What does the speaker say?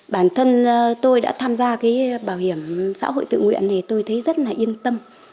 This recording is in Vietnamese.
bản thân tôi đã tham gia bảo hiểm xã hội tự nguyện thì tôi thấy rất yên tâm